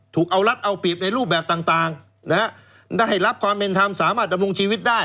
ถูกเอารัดเอาเปรียบในรูปแบบต่างนะฮะได้รับความเป็นธรรมสามารถดำรงชีวิตได้